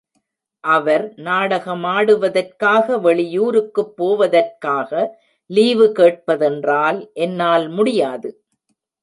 அவர் நாடகமாடு வதற்காக வெளியூருக்குப் போவதற்காக லீவு கேட்ப தென்றால், என்னால் முடியாது.